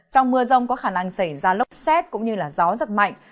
trong mưa rông có khả năng xảy ra lốc xét cũng như gió giật mạnh